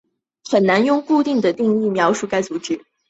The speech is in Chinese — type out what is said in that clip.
很难用固定的定义描述该组织。